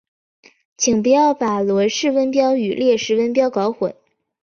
请不要把罗氏温标与列氏温标搞混。